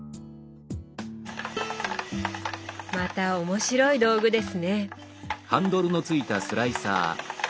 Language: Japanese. また面白い道具ですね。